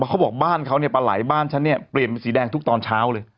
เขาบอกบ้านเขาเนี่ยปลาไหลบ้านฉันเนี่ยเปลี่ยนเป็นสีแดงทุกตอนเช้าเลย